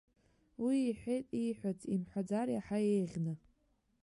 Уи иҳәеит ииҳәац, имҳәаӡар иаҳа еиӷьны.